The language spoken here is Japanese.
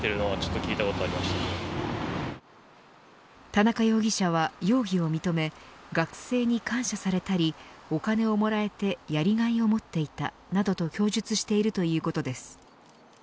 田中容疑者は容疑を認め学生に感謝されたりお金をもらえてやりがいを持っていたなどと供述しているということです。